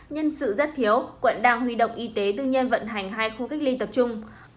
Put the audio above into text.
nhân sự rất thiếu quận đang huy động y tế tư nhân vận hành hai khu cách ly tập trung